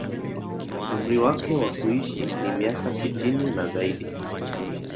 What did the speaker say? Umri wake wa kuishi ni miaka sitini na zaidi